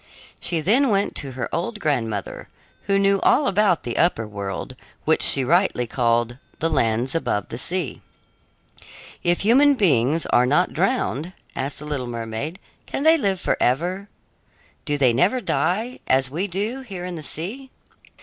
She then went to her old grandmother, who knew all about the upper world, which she rightly called "the lands above the sea." "If human beings are not drowned," asked the little mermaid, "can they live forever? Do they never die, as we do here in the sea?"